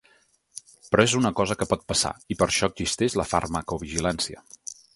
Però és una cosa que pot passar, i per això existeix la farmacovigilància.